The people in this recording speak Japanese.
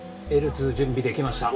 準備できました